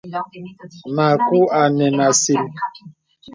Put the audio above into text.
Mǎku ā nə̀ nə̀ àsìl.